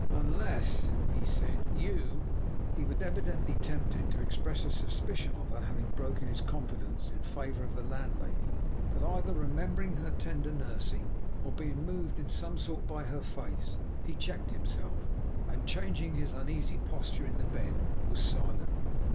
'Unless,' he said, 'you ' He was evidently tempted to express a suspicion of her having broken his confidence in favour of the landlady, but either remembering her tender nursing, or being moved in some sort by her face, he checked himself, and changing his uneasy posture in the bed, was silent.